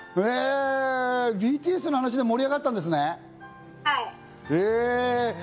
ＢＴＳの話で盛り上がったんですね。